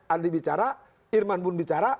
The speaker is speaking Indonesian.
andi bicara irman pun bicara